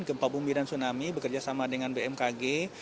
gempa bumi dan tsunami bekerjasama dengan bmkg